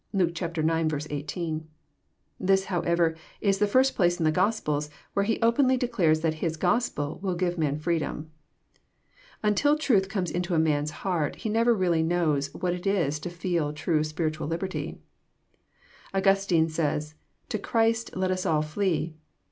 (Luke iv. 18.) This, however, is the first place in the Gospels where He openly declares that His Gospel will give men freedom. Until truth comes into a man's heart, he never really knows what it is to feel true spiritual liberty. Augustine says, '* To Christ let us all flee.